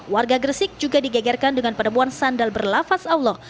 warga gresik juga digegarkan dengan penemuan sandal berlafats allah